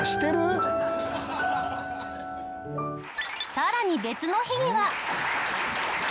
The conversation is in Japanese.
さらに別の日には。